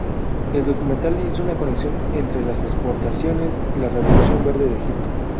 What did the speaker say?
El documental hizo una conexión entre las exportaciones y la revolución verde de Egipto.